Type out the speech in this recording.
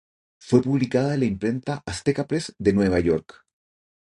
Fue publicada en la Imprenta Azteca press de Nueva York.